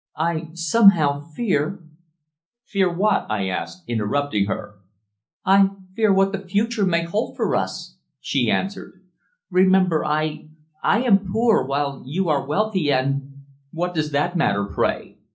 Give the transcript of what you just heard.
I somehow fear " "Fear what?" I asked, interrupting her. "I fear what the future may hold for us," she answered. "Remember I I am poor, while you are wealthy, and " "What does that matter, pray?